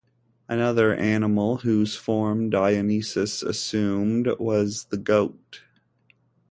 Another animal whose form Dionysus assumed was the goat.